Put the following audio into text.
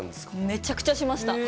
めちゃくちゃしました。